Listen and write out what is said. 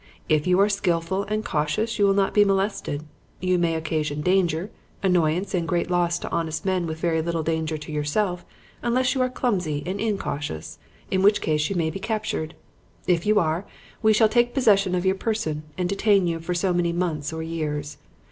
If you are skilful and cautious you will not be molested. You may occasion danger, annoyance and great loss to honest men with very little danger to yourself unless you are clumsy and incautious; in which case you may be captured. If you are, we shall take possession of your person and detain you for so many months or years.